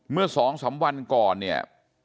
เมื่อสองสามวันก่อนเนี่ย